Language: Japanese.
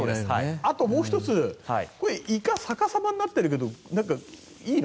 あともう１つイカがさかさまになってるけどいいの？